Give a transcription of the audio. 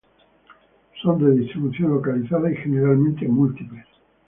Son de distribución localizada y generalmente múltiples.